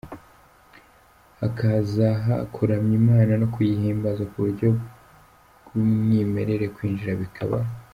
hakazaha kuramya Imana no kuyihimbaza ku buryo bwumwimerere, kwinjira bikaba.